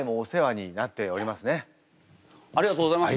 ありがとうございます。